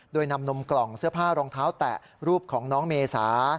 โดยนำนมกล่องเสื้อผ้ารองเท้าแตะรูปของน้องเมษา